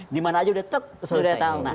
dimana aja udah selesai